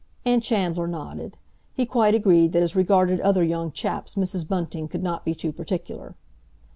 And Chandler nodded. He quite agreed that as regarded other young chaps Mrs. Bunting could not be too particular.